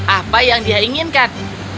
apa yang dia inginkan